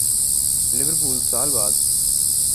Liverpool سال بعد